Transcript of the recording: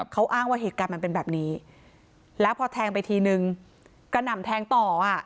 เขาอ้างว่าเหตุการณ์มันเป็นแบบนี้แล้วพอแทงไปทีนึงกระหน่ำแทงต่ออ่ะ